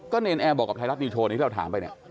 เนรนแอร์บอกกับไทยรัฐนิวโชว์นี้ที่เราถามไปเนี่ย